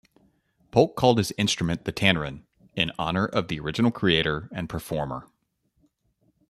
Polk called his instrument the "Tannerin" in honor of the original creator and performer.